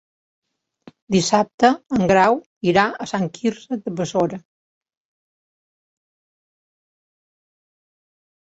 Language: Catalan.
Dissabte en Grau irà a Sant Quirze de Besora.